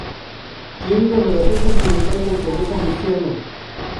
Tiene una relación sentimental con Teresa Murciano.